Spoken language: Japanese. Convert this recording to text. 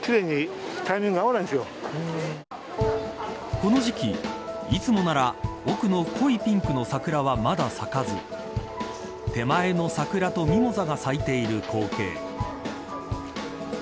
この時期、いつもなら奥の濃いピンクの桜はまだ咲かず手前の桜とミモザが咲いている光景。